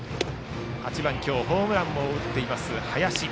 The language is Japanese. ８番は今日ホームランを打っている林。